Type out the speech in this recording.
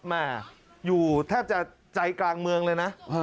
แม่อยู่แทบจะใจกลางเมืองเลยนะ